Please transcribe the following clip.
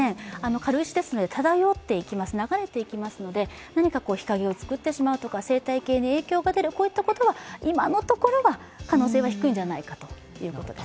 軽石なので漂っていきます、流れていきますので、生態系に影響を出るといったことは今のところは可能性は低いんじゃないかということです。